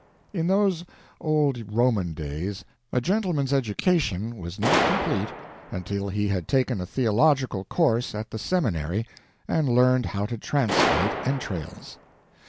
In those old Roman days a gentleman's education was not complete until he had taken a theological course at the seminary and learned how to translate entrails.